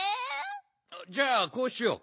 じゃあこうしよう。